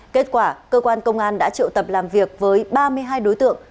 kết quả cơ quan công an đã triệu tập làm việc với ba mươi hai đối tượng